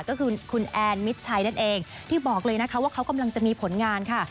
ก็คือคุณแอนมิดชัยนั่นเองที่บอกเลยนะคะว่าเขากำลังจะมีผลงานค่ะ